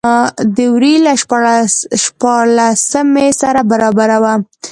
د وري له شپاړلسمې سره برابره وه.